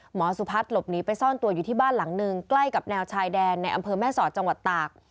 สุพัฒน์หลบหนีไปซ่อนตัวอยู่ที่บ้านหลังหนึ่งใกล้กับแนวชายแดนในอำเภอแม่สอดจังหวัดตาก